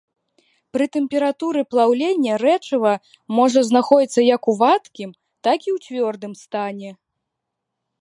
Пры тэмпературы плаўлення рэчыва можа знаходзіцца як у вадкім, так і ў цвёрдым стане.